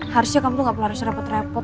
harusnya kamu tuh gak harus repot repot